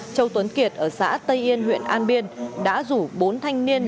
châu tuấn kiệt ở xã tây yên huyện an biên đã rủ bốn thanh niên